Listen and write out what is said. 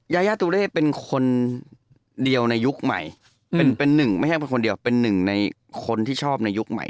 ยายาตุเร่เป็นคนเดียวในยุคใหม่เป็นหนึ่งไม่ใช่เป็นคนเดียวเป็นหนึ่งในคนที่ชอบในยุคใหม่